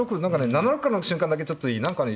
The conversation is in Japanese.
７六角の瞬間だけちょっと何かね